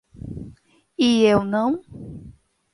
E eu não!